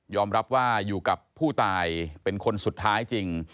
รับว่าอยู่กับผู้ตายเป็นคนสุดท้ายจริง